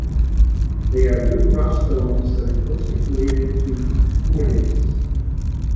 They are deuterostomes that are closely related to chordates.